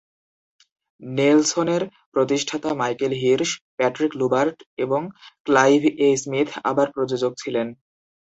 নেলসনের প্রতিষ্ঠাতা-মাইকেল Hirsch, Patrick লুবার্ট এবং Clive এ স্মিথ-আবার প্রযোজক ছিলেন।